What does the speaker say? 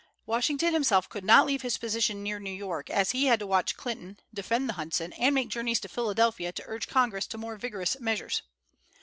Washington himself could not leave his position near New York, as he had to watch Clinton, defend the Hudson, and make journeys to Philadelphia to urge Congress to more vigorous measures.